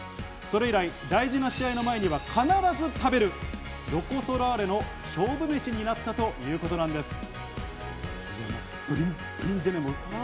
それ以来、大事な試合の前には必ず食べるロコ・ソラーレの勝負メシになったということなんです。